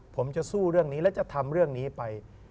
ผมจะสู้เรื่องนี้และจะทำเรื่องนี้ไป